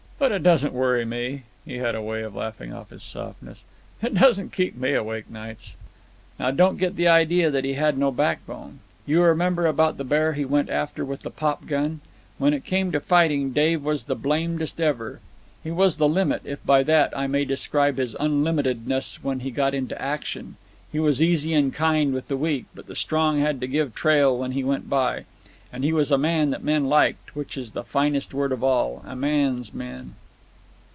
'But it doesn't worry me,' he had a way of laughing off his softness; 'it doesn't keep me awake nights.' Now don't get the idea that he had no backbone. You remember about the bear he went after with the popgun. When it came to fighting Dave was the blamedest ever. He was the limit, if by that I may describe his unlimitedness when he got into action, he was easy and kind with the weak, but the strong had to give trail when he went by. And he was a man that men liked, which is the finest word of all, a man's man.